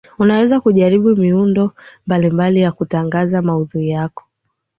unaweza kujaribu miundo mbalimbali ya kutangaza maudhui yako